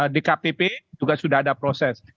di kpp juga sudah ada proses